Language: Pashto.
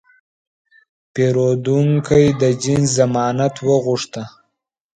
پیرودونکی د جنس ضمانت وغوښته.